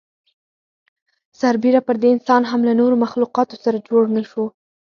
سر بېره پر دې انسان هم له نورو مخلوقاتو سره جوړ نهشو.